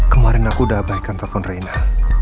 kemarin aku udah abaikan telepon reina